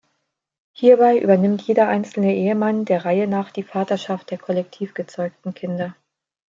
Hierbei übernimmt jeder einzelne Ehemann der Reihe nach die Vaterschaft der „kollektiv“ gezeugten Kinder.